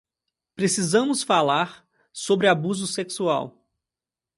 Precisamos falar sobre abuso sexual